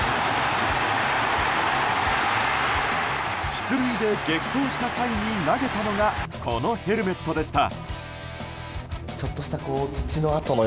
出塁で激走した際に投げたのがこのヘルメットでした。